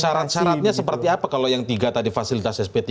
syarat syaratnya seperti apa kalau yang tiga tadi fasilitas sp tiga